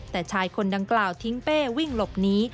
แต่ชายคนดังกล่าวทิ้งเป้วิ่งหลบหนี